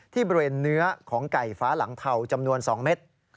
ที่โบรนเนื้อของไก่ฟ้าหลังเถาร์จำนวน๒เมตร